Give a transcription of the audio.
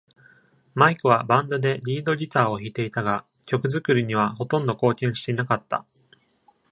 マイクはバンドでリードギターを弾いていたが、曲作りにはほとんど貢献していなかった。